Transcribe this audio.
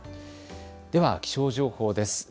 では気象情報です。